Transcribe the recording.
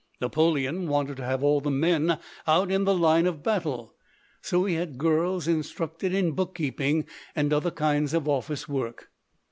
Napoleon wanted to have all the men out in the line of battle, so he had girls instructed in bookkeeping and other kinds of office work.